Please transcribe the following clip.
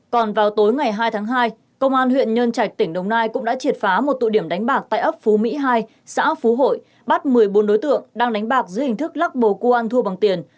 còn vào tối ngày hai tháng hai công an huyện nhân trạch tỉnh đồng nai cũng đã triệt phá một tụ điểm đánh bạc tại ấp phú mỹ hai xã phú hội bắt một mươi bốn đối tượng đang đánh bạc dưới hình thức lắc bồ cua ăn thua bằng tiền